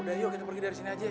assalamu'alaikum pak ajie